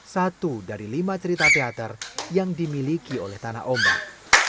satu dari lima cerita teater yang dimiliki oleh tanah ombak